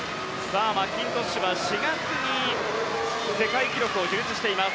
マッキントッシュは４月に世界記録を樹立しています。